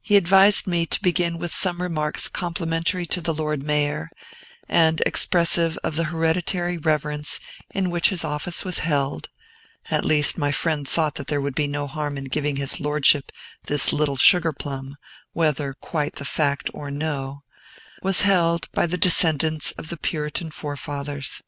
He advised me to begin with some remarks complimentary to the Lord Mayor, and expressive of the hereditary reverence in which his office was held, at least, my friend thought that there would be no harm in giving his Lordship this little sugar plum, whether quite the fact or no, was held by the descendants of the Puritan forefathers.